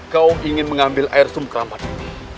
kau ingin mengambil air sum keramat ini